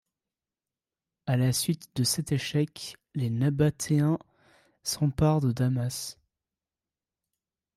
À la suite de cet échec, les Nabatéens s'emparent de Damas.